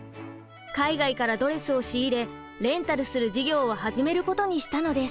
海外からドレスを仕入れレンタルする事業を始めることにしたのです。